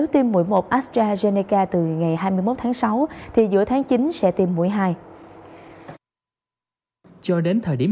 virocell thì là ba đến bốn tuần